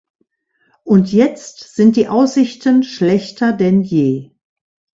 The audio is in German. Und jetzt sind die Aussichten schlechter denn je.